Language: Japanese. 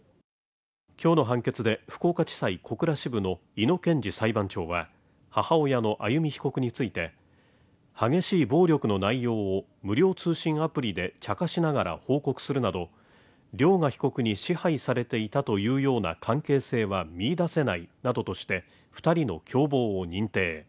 今日の判決で福岡地裁小倉支部の井野憲司裁判長は母親の歩被告について、激しい暴力の内容を無料通信アプリでちゃかしながら報告するなど涼雅被告に支配されていたというような関係性は見いだせないなどとして２人の共謀を認定。